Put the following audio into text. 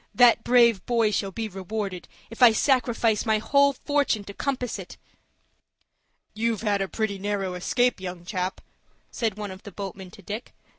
"That brave boy shall be rewarded, if I sacrifice my whole fortune to compass it." "You've had a pretty narrow escape, young chap," said one of the boatmen to Dick.